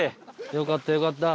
よかったよかった。